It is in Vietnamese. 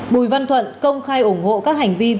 bùi văn thuận công khai ủng hộ các hành vi vi pháp luật